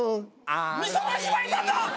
美空ひばりさんだ！